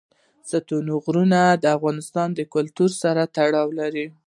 ستوني غرونه د افغان کلتور سره تړاو لري.